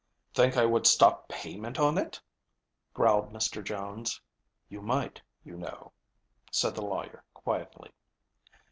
"Think I would stop payment on it?" growled Mr. Jones. "You might, you know," said the lawyer quietly.